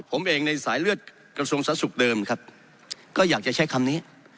ผมเองในสายเลือดกระทรวงสาธารณสุขเดิมครับก็อยากจะใช้คำนี้